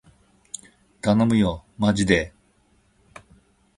たのむよーまじでー